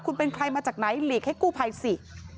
คุณเป็นใครมาจากไหนหลีกให้กู้ภัยสิ